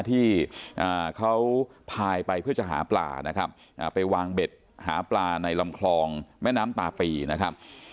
ที่เขาพายไปเพื่อจะหาปลานะครับไปวางเบ็ดหาปลาในลำคลองแม่น้ำตาปีนะครับ